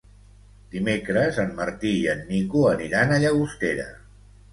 Dimecres en Martí i en Nico aniran a Llagostera.